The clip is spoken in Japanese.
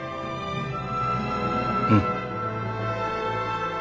うん。